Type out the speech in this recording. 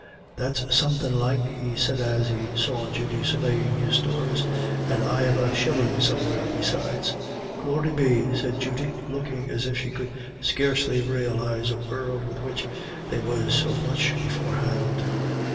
"That's somethin' like," he said, as he saw Judy surveying his stores, "and I've a shillin' somewheres besides." "Glory be!" said Judy, looking as if she could scarcely realise a world with which they were so much beforehand.